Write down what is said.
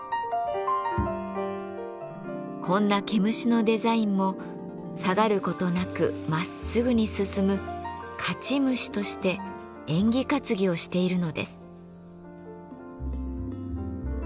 こんな毛虫のデザインも下がる事なくまっすぐに進む勝ち虫として縁起担ぎをしているのです。